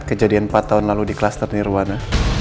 kejadian empat tahun lalu di kluster nirwana